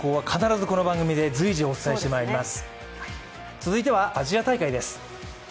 続いてはアジア大会です。